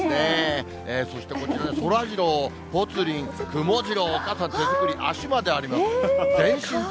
そしてこちら、そらジロー、くもジロー、ぽつリン、傘、手作り、足まであります。